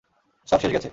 সব শেষ গেছে।